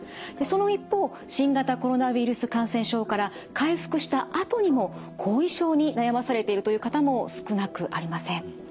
その一方新型コロナウイルス感染症から回復したあとにも後遺症に悩まされているという方も少なくありません。